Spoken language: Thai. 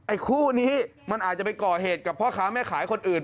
คู่นี้มันอาจจะไปก่อเหตุกับพ่อค้าแม่ขายคนอื่น